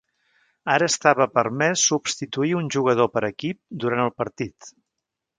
Ara estava permès substituir un jugador per equip durant el partit.